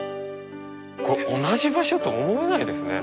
これ同じ場所とは思えないですね。